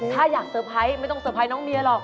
ถ้าอยากเซอร์ไพรส์ไม่ต้องเซอร์ไพรส์เมียหรอก